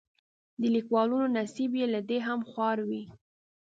د لیکوالو نصیب بې له دې هم خوار وي.